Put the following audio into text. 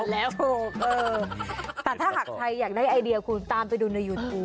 แล้วแต่ถ้าหากใครอยากได้ไอเดียคุณตามไปดูในยูทูป